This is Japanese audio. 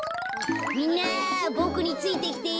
みんなボクについてきて。